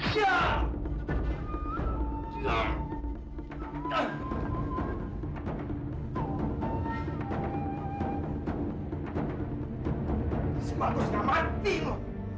semangat selamat dio